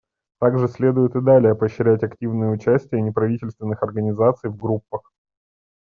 Также следует и далее поощрять активное участие неправительственных организаций в группах.